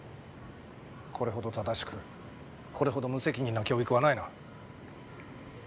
これほど正しくこれほど無責任な教育はないな。